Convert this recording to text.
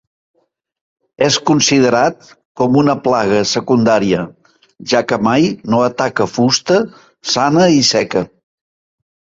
És considerat com una plaga secundària, ja que mai no ataca fusta sana i seca.